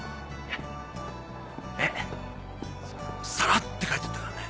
サラって帰ってったからね。